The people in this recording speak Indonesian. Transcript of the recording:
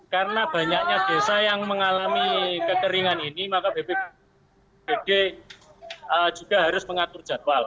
karena banyaknya desa yang mengalami keteringan ini maka bpbd juga harus mengatur jadwal